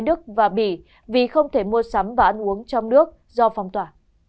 bởi vì không thể mua sắm và ăn uống trong nước do phong tỏa